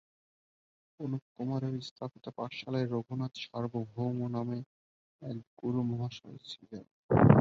অনুপকুমারের স্থাপিত পাঠশালায় রঘুনাথ সার্বভৌম নামে এক গুরুমহাশয় ছিলেন।